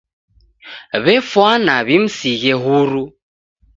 W'efwana w'imsighe huru.